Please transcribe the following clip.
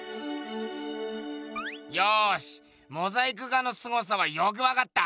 よしモザイク画のすごさはよく分かった。